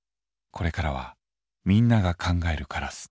これからはみんなが考えるカラス。